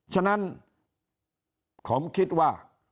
ฉะนั้นผมคิดว่า